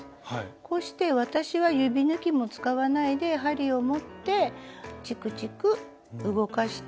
こうして私は指ぬきも使わないで針を持ってちくちく動かして縫っていくんです。